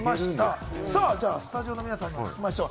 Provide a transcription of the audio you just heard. スタジオの皆さんに聞きましょう。